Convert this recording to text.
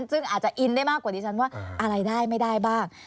ซึ่งอาจจะอินได้มากกว่าดิฉันว่าอะไรได้ไม่ได้บ้าง